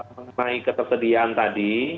mengenai ketersediaan tadi